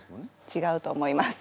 ちがうと思います。